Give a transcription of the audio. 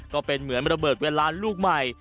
ก็เป็นเหมือนระเบิดเวลาลูกใหม่